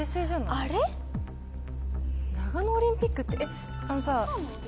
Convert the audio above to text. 長野オリンピックって。